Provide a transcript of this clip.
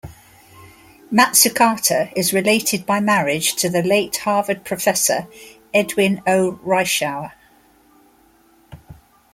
Matsukata is related by marriage to the late Harvard professor, Edwin O. Reischauer.